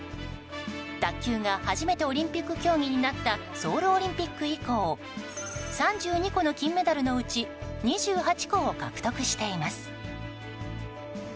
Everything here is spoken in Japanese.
卓球が初めてオリンピック競技になったソウルオリンピック以降３２個の金メダルのうち２８個を獲得しています。